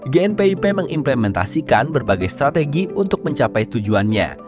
gnpip mengimplementasikan berbagai strategi untuk mencapai tujuannya